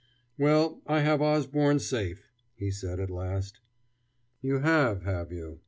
"Well, I have Osborne safe," he said at last. "You have, have you?"